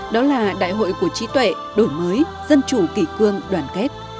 đó là đại hội của trí tuệ đổi mới dân chủ kỷ cương đoàn kết